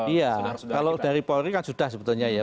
iya kalau dari polri kan sudah sebetulnya ya